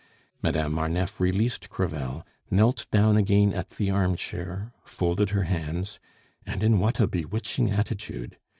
Madame Marneffe released Crevel, knelt down again at the armchair, folded her hands and in what a bewitching attitude!